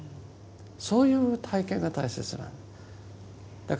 そういう体験が大切なんです。